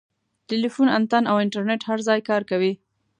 ټیلیفون انتن او انټرنیټ هر ځای کار کوي.